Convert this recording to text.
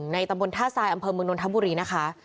ตำบลท่าทรายอำเภอเมืองนนทบุรีนะคะ